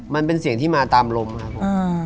มันเป็นเสียงที่มาตามลมครับผม